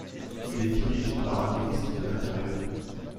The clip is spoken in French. Il est dirigé par un ministre de l'Intérieur.